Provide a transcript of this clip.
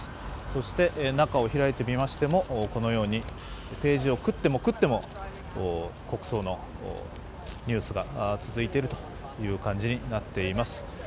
そして中を開いてみましても、このようにページをくってもくっても国葬のニュースが続いているという感じになっています。